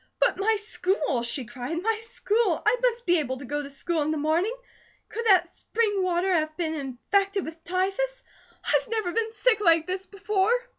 "But my school!" she cried. "My school! I must be able to go to school in the morning. Could that spring water have been infected with typhus? I've never been sick like this before."